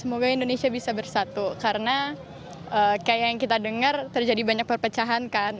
semoga indonesia bisa bersatu karena kayak yang kita dengar terjadi banyak perpecahan kan